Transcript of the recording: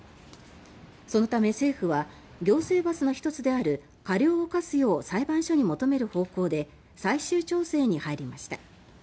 そのため、政府は行政罰の１つである科料を科すよう裁判所に求める方向で最終調整に入りました。